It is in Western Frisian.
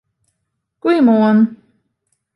Goeiemoarn!